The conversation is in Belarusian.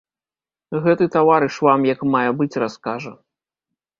Гэты таварыш вам як мае быць раскажа.